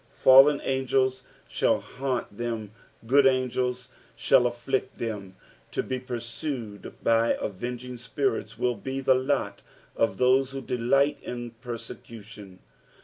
Pallcn angels shall haunt them, good angels shall afflict them. To be pursued by avenging spirits will be tho lot of those who delight in persecution.